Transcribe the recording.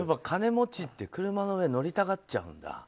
金持ちって車の上に乗りたがっちゃうんだ。